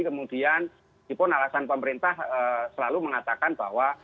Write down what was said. kemudian itu pun alasan pemerintah selalu mengatakan bahwa